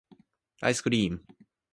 アイスクリーム